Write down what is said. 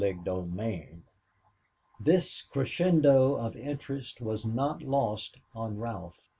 CHAPTER VII This crescendo of interest was not lost on Ralph.